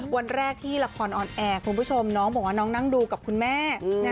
วันแรกที่ละครออนแอร์คุณผู้ชมน้องบอกว่าน้องนั่งดูกับคุณแม่